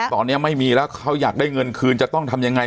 ตอนนี้ไม่มีแล้วเขาอยากได้เงินคืนจะต้องทำยังไง